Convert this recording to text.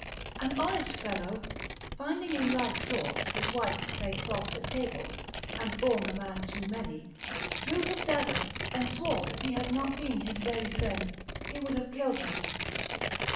An honest fellow finding in like sort his wife had played false at tables, and borne a man too many, drew his dagger, and swore if he had not been his very friend, he would have killed him.